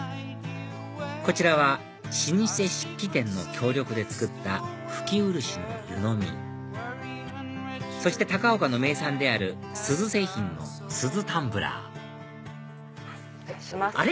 こちらは老舗漆器店の協力で作った拭き漆の湯飲みそして高岡の名産である錫製品の錫タンブラーあれ？